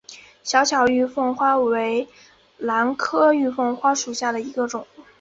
小巧玉凤花为兰科玉凤花属下的一个种。